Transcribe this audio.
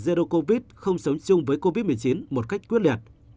zero covid không sống chung với covid một mươi chín một cách quyết liệt